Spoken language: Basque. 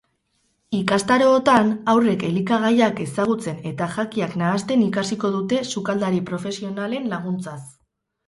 Ikastarootan haurrek elikagaiak ezagutzen eta jakiak nahasten ikasiko dute sukaldari profesionalen laguntzaz.